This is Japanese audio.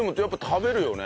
食べるよね。